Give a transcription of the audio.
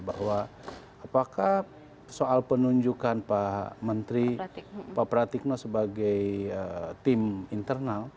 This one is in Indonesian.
bahwa apakah soal penunjukan pak menteri pak pratikno sebagai tim internal